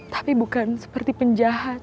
tapi bukan seperti penjahat